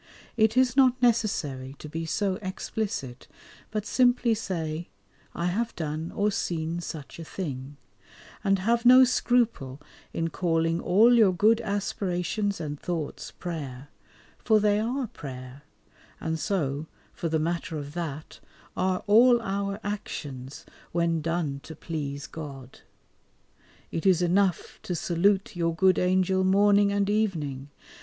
It is not necessary to be so explicit, but simply say, "I have done or seen such a thing," and have no scruple in calling all your good aspirations and thoughts prayer, for they are prayer, and so, for the matter of that, are all our actions when done to please God. It is enough to salute your good Angel morning and evening.